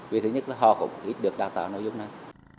vì thứ nhất là họ cũng ít được đào tạo nội dung này